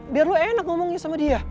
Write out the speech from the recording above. biar lu enak ngomongnya sama dia